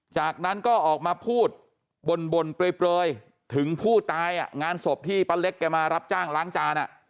จากนั้นก็ออกมาพูดบ่นเปลยถึงผู้ตายงานศพที่ป้าเล็กแกมารับจ้างล้างจาน